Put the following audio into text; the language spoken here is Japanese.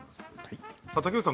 竹内さん